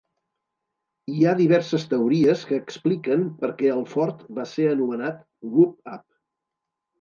Hi ha diverses teories que expliquen per què el fort va ser anomenat Whoop-Up.